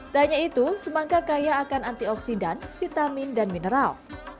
tanya itu semangka kaya akan antioksidan vitamin dan mineral